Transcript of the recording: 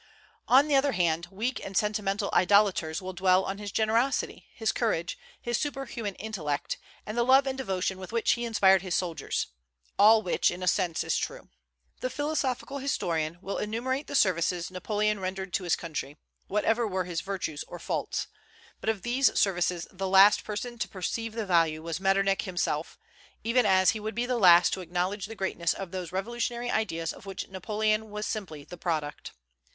On the other hand, weak and sentimental idolaters will dwell on his generosity, his courage, his superhuman intellect, and the love and devotion with which he inspired his soldiers, all which in a sense is true. The philosophical historian will enumerate the services Napoleon rendered to his country, whatever were his virtues or faults; but of these services the last person to perceive the value was Metternich himself, even as he would be the last to acknowledge the greatness of those revolutionary ideas of which Napoleon was simply the product.